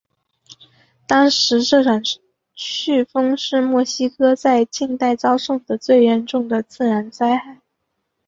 当时这场飓风是墨西哥在近代遭受的最严重的自然灾害。